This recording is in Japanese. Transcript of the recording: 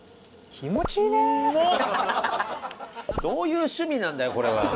どういう趣味なんだよこれは。